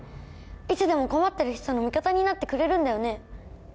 いつでも困ってる人の味方になってくれるんだよね？